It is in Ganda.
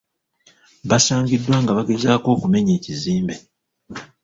Basangiddwa nga bagezaako okumenya ekizimbe.